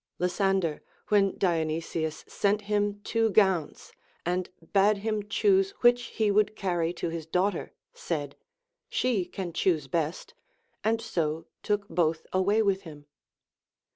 Lysander, Avhen Dionysius sent him two gowns, and bade him choose which he would to carry to his daughter, said, She can choose best ; and so took both away with him.